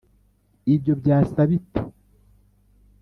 ibyo byasa bite?